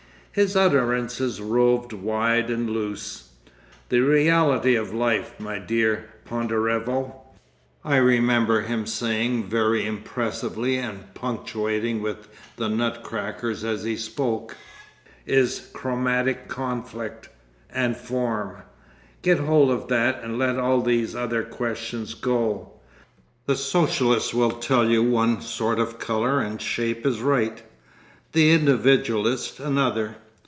His utterances roved wide and loose. "The reality of life, my dear Ponderevo," I remember him saying very impressively and punctuating with the nut crackers as he spoke, "is Chromatic Conflict ... and Form. Get hold of that and let all these other questions go. The Socialist will tell you one sort of colour and shape is right, the Individualist another.